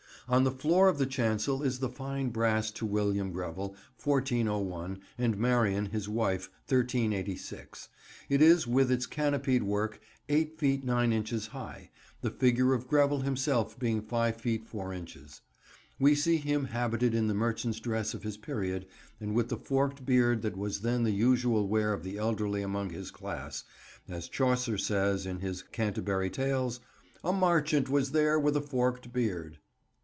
On the floor of the chancel is the fine brass to William Grevel, 1401, and Marion, his wife, 1386. It is, with its canopied work, eight feet nine inches high; the figure of Grevel himself being five feet four inches. We see him habited in the merchant's dress of his period, and with the forked beard that was then the usual wear of the elderly among his class, as Chaucer says, in his Canterbury Tales: "A marchant was there with a forked beard."